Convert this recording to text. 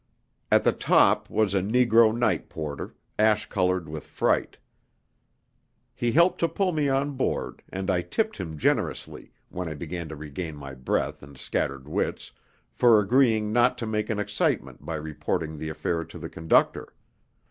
At the top was a negro night porter, ash coloured with fright. He helped to pull me on board, and I tipped him generously (when I began to regain my breath and scattered wits) for agreeing not to make an excitement by reporting the affair to the conductor.